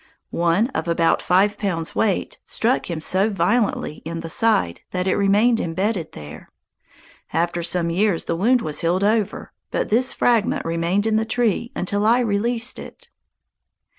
One, of about five pounds' weight, struck him so violently in the side that it remained embedded there. After some years the wound was healed over, but this fragment remained in the tree until I released it.